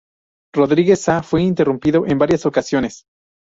Rodríguez Saá fue interrumpido en varias ocasiones.